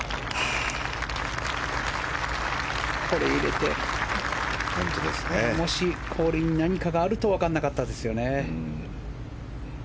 これを入れてもし、コリンに何かがあるとわからなかったですよね。